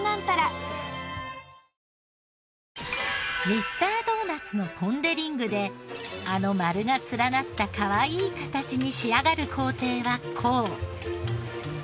ミスタードーナツのポン・デ・リングであの丸が連なったかわいい形に仕上がる工程はこう。